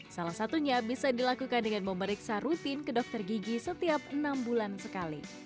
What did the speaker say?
salah satunya bisa dilakukan dengan memeriksa rutin ke dokter gigi setiap enam bulan sekali